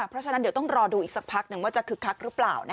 เพราะฉะนั้นเดี๋ยวต้องรอดูอีกสักพักหนึ่งว่าจะคึกคักหรือเปล่า